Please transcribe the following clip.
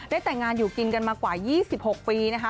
แต่งงานอยู่กินกันมากว่า๒๖ปีนะคะ